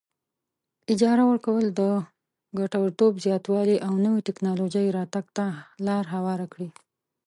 اجاره ورکول د ګټورتوب زیاتوالي او نوې ټیکنالوجۍ راتګ ته لار هواره کړي.